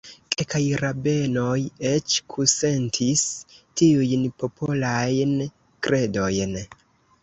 Kelkaj rabenoj eĉ kusentis tiujn popolajn kredojn.